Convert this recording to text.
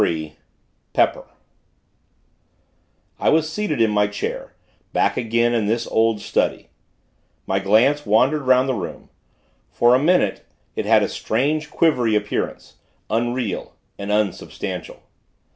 XXIII PEPPER I was seated in my chair, back again in this old study. My glance wandered 'round the room. For a minute, it had a strange, quivery appearance unreal and unsubstantial.